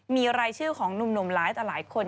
แล้วก็มีรายชื่อของหนุ่มหลายคน